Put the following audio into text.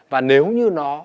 và nếu như nó